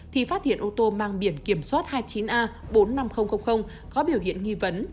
thì phát hiện ô tô mang biển kiểm soát hai mươi chín a bốn mươi năm nghìn có biểu hiện nghi vấn